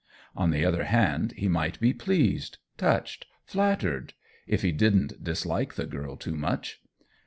On the other hand he might be pleased, touched, flattered — if he didn't dislike the girl too much.